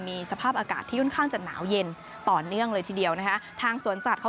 มีสภาพอากาศที่ค่อนข้างจะหนาวเย็นต่อเนื่องเลยทีเดียวนะคะทางสวนสัตว์